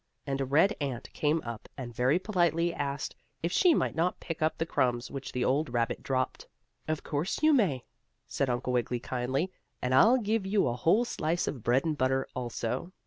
And a red ant came up, and very politely asked if she might not pick up the crumbs which the old rabbit dropped. "Of course you may," said Uncle Wiggily kindly. "And I'll give you a whole slice of bread and butter, also."